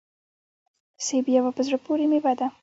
سيب يوه په زړه پوري ميوه ده